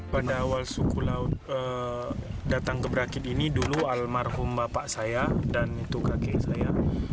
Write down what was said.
pada awal suku laut datang ke berakit ini dulu almarhum bapak saya dan itu kakek saya